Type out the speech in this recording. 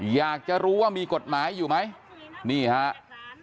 อยากจะรู้ว่ามีกฎหมายอยู่ไหมนี่ครับ